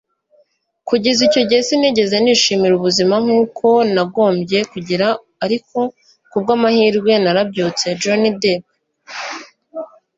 kugeza icyo gihe, sinigeze nishimira ubuzima nk'uko nagombye kugira, ariko ku bw'amahirwe narabyutse. - johnny depp